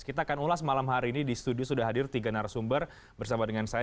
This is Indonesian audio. kita akan ulas malam hari ini di studio sudah hadir tiga narasumber bersama dengan saya